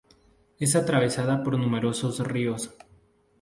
Es atravesada por numerosos ríos.